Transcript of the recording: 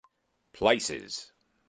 Places!